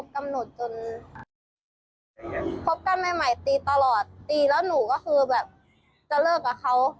กำหนดจนคบกันใหม่ตีตลอดตีแล้วหนูก็คือแบบจะเลิกกับเขา